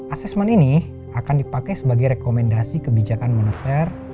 asesmen ini akan dipakai sebagai rekomendasi kebijakan moneter